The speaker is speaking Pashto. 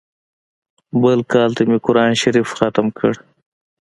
بل کال ته مې قران شريف ختم کړ.